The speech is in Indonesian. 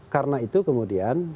karena itu kemudian